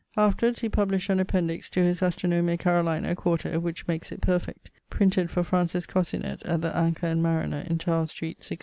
Afterwards he published an Appendix to his Astronomia Carolina, 4to, which makes it perfect printed for Francis Cossinet at the Anchor and Mariner in Tower Street, 1664.